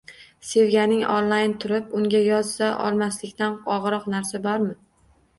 - Sevganing online turib, unga yoza olmaslikdan og'irroq narsa bormi?